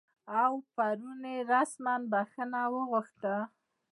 او پرون یې رسما بخښنه وغوښته